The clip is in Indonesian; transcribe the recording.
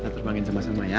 terbangin sama sama ya